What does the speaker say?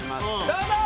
どうぞ！